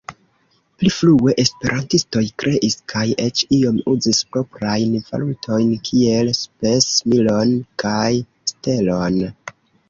Pli frue esperantistoj kreis kaj eĉ iom uzis proprajn valutojn kiel Spesmilon kaj Stelon.